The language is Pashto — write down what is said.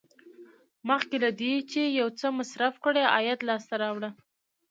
مخکې له دې چې یو څه مصرف کړئ عاید لاسته راوړه.